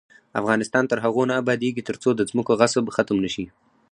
افغانستان تر هغو نه ابادیږي، ترڅو د ځمکو غصب ختم نشي.